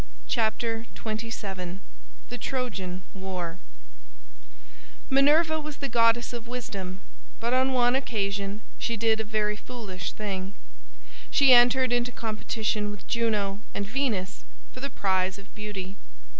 CHAPTER XXVII THE TROJAN WAR Minerva was the goddess of wisdom, but on one occasion she did a very foolish thing; she entered into competition with Juno and Venus for the prize of beauty.